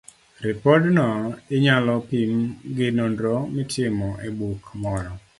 Ripodno inyalo pim gi nonro mitimo e buk moro